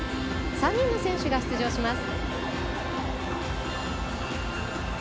３人の選手が出場します。